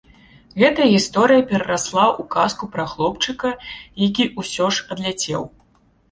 Гэтая гісторыя перарасла ў казку пра хлопчыка, які ўсё ж адляцеў.